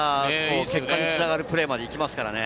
結果に繋がるプレーまで行きますからね。